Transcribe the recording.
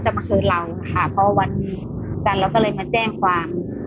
มาคืนเราค่ะเพราะวันจันทร์เราก็เลยมาแจ้งความ